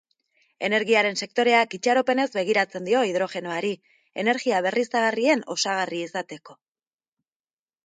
Energiaren sektoreak itxaropenez begiratzen dio hidrogenoari, energia berriztagarrien osagarri izateko.